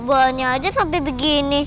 bolanya aja sampe begini